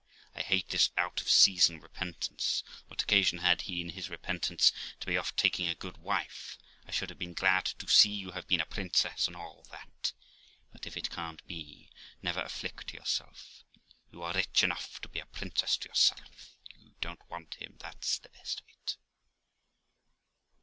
I hate this out o' season repentance. What occasion had he, in his repentance, to be off of taking a good wife ? I should have been glad to see you have been a princess, and all that; but if it can't be, never afflict yourself; you are rich enough to be a princess to yourself; you don't want him, that's the best of it.'